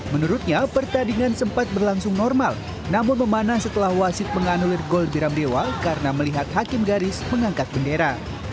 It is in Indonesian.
menurutnya pertandingan sempat berlangsung normal namun memanah setelah wasit menganulir gol biram dewa karena melihat hakim garis mengangkat bendera